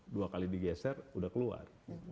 dua kali digeser udah keluar